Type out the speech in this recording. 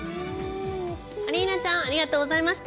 アリーナちゃん、ありがとうございました。